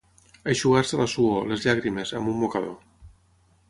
Eixugar-se la suor, les llàgrimes, amb un mocador.